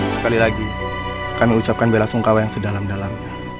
sekali lagi kami ucapkan bela sungkawa yang sedalam dalamnya